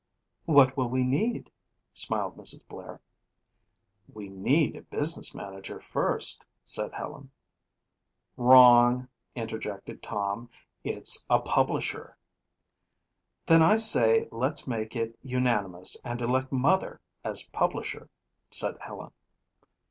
"What will we need?" smiled Mrs. Blair. "We need a business manager first," said Helen. "Wrong," interjected Tom. "It's a publisher." "Then I say let's make it unanimous and elect mother as publisher," said Helen.